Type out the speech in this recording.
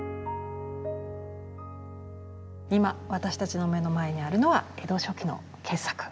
今私たちの目の前にあるのは江戸初期の傑作。